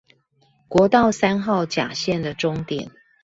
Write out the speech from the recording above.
國道三號甲線的終點